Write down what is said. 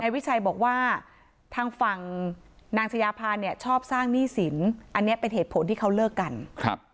วิชัยบอกว่าทางฝั่งนางชายาพาเนี่ยชอบสร้างหนี้สินอันนี้เป็นเหตุผลที่เขาเลิกกันครับ